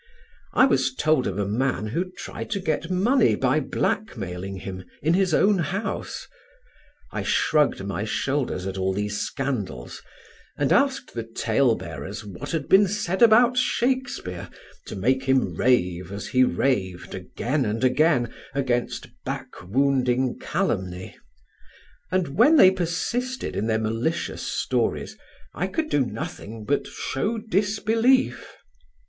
I was told of a man who tried to get money by blackmailing him in his own house. I shrugged my shoulders at all these scandals, and asked the talebearers what had been said about Shakespeare to make him rave as he raved again and again against "back wounding calumny"; and when they persisted in their malicious stories I could do nothing but show disbelief.